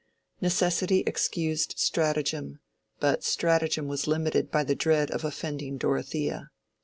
Necessity excused stratagem, but stratagem was limited by the dread of offending Dorothea.